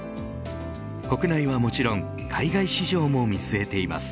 国内はもちろん海外市場も見据えています。